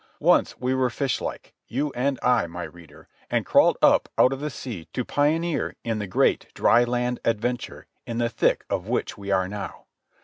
Once we were fish like, you and I, my reader, and crawled up out of the sea to pioneer in the great, dry land adventure in the thick of which we are now.